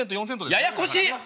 ややこし！